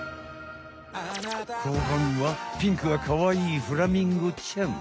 後半はピンクがかわいいフラミンゴちゃん。